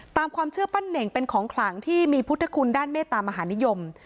ตามความเชื่อปั้นเน่งเป็นของขลังที่มีพุทธคุณด้านเมตามหานิยม